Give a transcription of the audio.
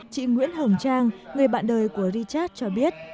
chị nguyễn hồng trang người bạn đời của rechat cho biết